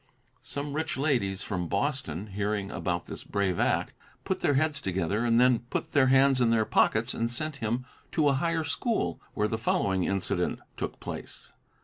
Some rich ladies from Boston, hearing about his brave act, put their heads together and then put their hands in their pockets and sent him to a higher school, where the following incident took place.